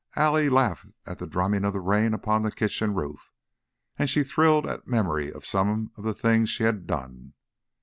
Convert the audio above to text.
Allie laughed at the drumming of the rain upon the kitchen roof, and she thrilled at memory of some of the things she had done.